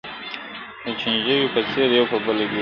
د چینجیو په څېر یو په بل لګېږي٫